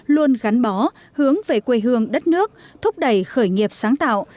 luôn gắn bó hướng về quê hương đất nước thúc đẩy khởi nghiệp sáng tạo